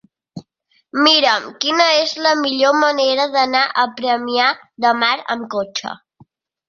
Mira'm quina és la millor manera d'anar a Premià de Mar amb cotxe.